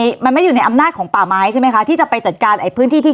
ใช่มันไม่ได้อยู่ในอำนาจของป่าไม้ใช่ไหมคะที่จะไปจัดการไอ้พื้นที่ที่